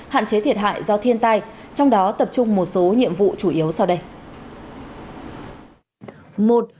hạn chế thiệt hại do thiên tai trong đó tập trung một số nhiệm vụ chủ yếu sau đây